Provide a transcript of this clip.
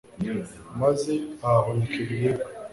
maze ahahunika ibiribwa